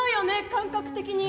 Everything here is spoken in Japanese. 感覚的に。